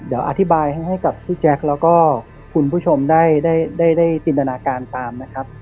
เดี๋ยวอธิบายให้ให้กับแล้วก็คุณผู้ชมได้ได้ได้จินตนาการตามนะครับ